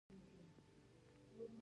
زه د خلکو مرسته کوم.